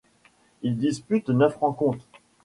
Il dispute neuf rencontres.